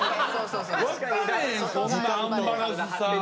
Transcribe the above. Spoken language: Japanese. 分かれへんそんなアンバランスさ。